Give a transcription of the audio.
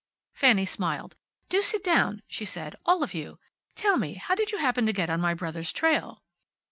Fanny smiled. "Do sit down," she said, "all of you. Tell me, how did you happen to get on my brother's trail?"